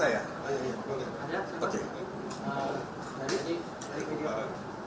saya ingin menjawab soal